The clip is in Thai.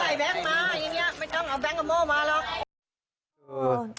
มันรู้แรงนะเนี่ย